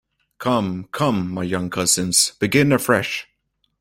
Come, come, my young cousins, begin afresh!